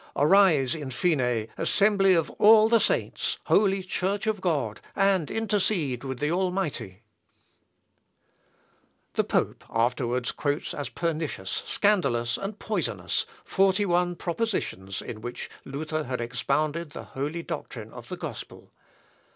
Arise, in fine, assembly of all the saints, holy Church of God, and intercede with the Almighty!" L. Op. (L.) xvii, p. 305, and Op. Lat. i, p. 32. The pope afterwards quotes as pernicious, scandalous, and poisonous, forty one propositions in which Luther had expounded the holy doctrine of the gospel.